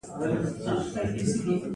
یو ښکاري یو مرغۍ ونیوله.